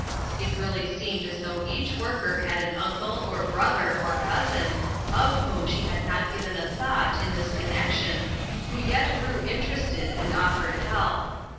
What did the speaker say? It really seemed as though each worker had an uncle, or brother, or cousin, of whom she had not given a thought in this connec tion, who yet grew interested, and offered help.